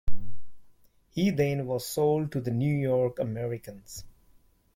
He then was sold to the New York Americans.